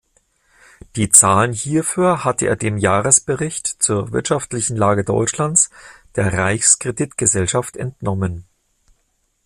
Die Zahlen hierfür hatte er dem Jahresbericht zur wirtschaftlichen Lage Deutschlands der Reichs-Kredit-Gesellschaft entnommen.